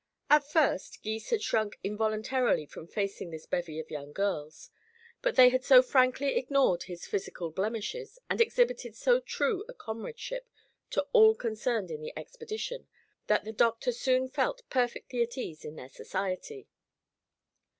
At first Gys had shrunk involuntarily from facing this bevy of young girls, but they had so frankly ignored his physical blemishes and exhibited so true a comradeship to all concerned in the expedition, that the doctor soon felt perfectly at ease in their society.